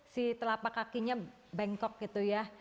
si telapak kakinya bengkok gitu ya